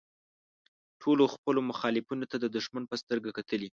ټولو خپلو مخالفینو ته د دوښمن په سترګه کتلي.